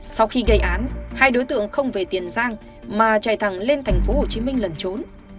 sau khi gây án hai đối tượng không về tiền giang mà chạy thẳng lên tp hcm lần trốn